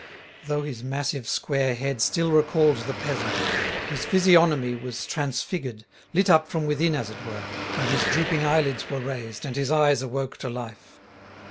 Though his massive square head still recalled the peasant, his physiognomy was transfigured, lit up from within as it were, when his drooping eyelids were raised and his eyes awoke to life.